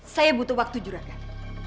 saya butuh waktu juragan